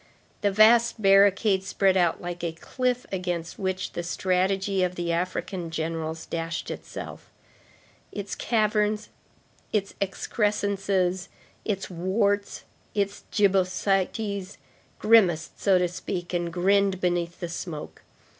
The vast barricade spread out like a cliff against which the strategy of the African generals dashed itself. Its caverns, its excrescences, its warts, its gibbosities, grimaced, so to speak, and grinned beneath the smoke.